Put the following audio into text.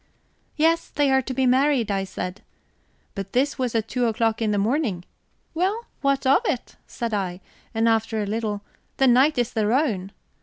'Yes, they are to be married,' I said. 'But this was at two o'clock in the morning!' 'Well, what of it?' said I, and, after a little: 'The night is their own.'